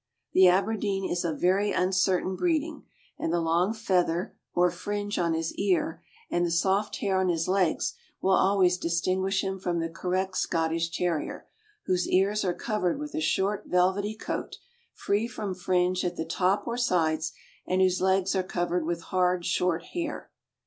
The Aberdeen is of very uncertain breeding, and the long feather or fringe on his ear and the soft hair on his legs will always dis tinguish him from the correct Scottish Terrier, whose ears are covered with a short, velvety coat, free from fringe at the top or sides, and whose legs are covered with hard, short hair.